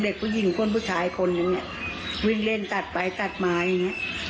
เด็กก็ยิ่งคนผู้ชายคนอย่างนี้วิ่งเล่นตัดไปตัดมาอย่างนี้